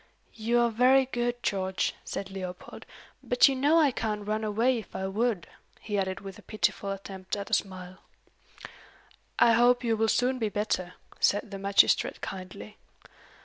"You are very good, George," said Leopold. "But you know I can't run away if I would," he added with a pitiful attempt at a smile. "I hope you will soon be better," said the magistrate kindly.